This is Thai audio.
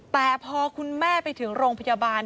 แต่พอคุณแม่ไปถึงโรงพยาบาล